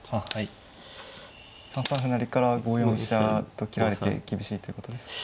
３三歩成から５四飛車と切られて厳しいっていうことですか。